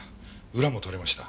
裏も取れました。